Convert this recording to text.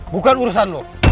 bukan urusan lo